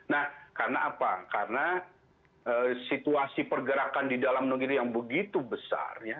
nah karena apa karena situasi pergerakan di dalam negeri yang begitu besar ya